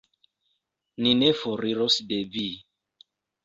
Ni ne foriros de Vi.